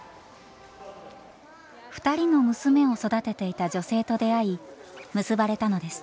２人の娘を育てていた女性と出会い結ばれたのです。